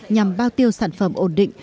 nhằm bao tiêu sản phẩm ổn định